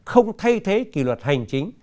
không thay thế kỳ luật hành chính